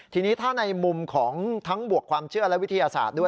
ทีนี้ถ้าในมุมของทั้งบวกความเชื่อและวิทยาศาสตร์ด้วย